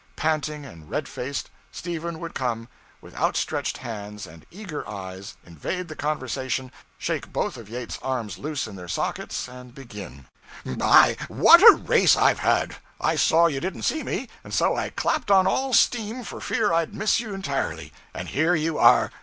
Panting and red faced, Stephen would come, with outstretched hands and eager eyes, invade the conversation, shake both of Yates's arms loose in their sockets, and begin 'My, what a race I've had! I saw you didn't see me, and so I clapped on all steam for fear I'd miss you entirely. And here you are!